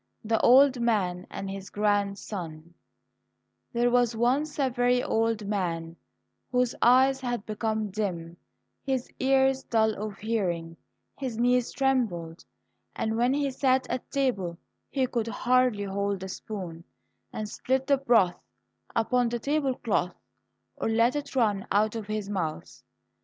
78 The Old Man and His Grandson There was once a very old man, whose eyes had become dim, his ears dull of hearing, his knees trembled, and when he sat at table he could hardly hold the spoon, and spilt the broth upon the table cloth or let it run out of his mouth.